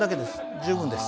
十分です。